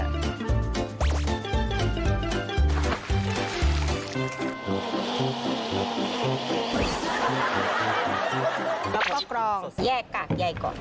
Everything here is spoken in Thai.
แล้วก็กรองแยกกากใหญ่ก่อน